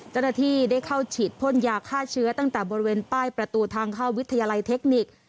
เจ้าหน้าที่ได้เข้าฉีดพ่นยาฆ่าเชื้อตั้งแต่บริเวณป้ายประตูทางเข้าวิทยาลัยเทคนิค